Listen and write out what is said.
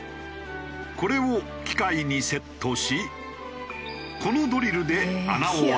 これを機械にセットしこのドリルで穴をあけていく。